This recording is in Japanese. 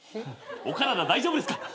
お体大丈夫ですか？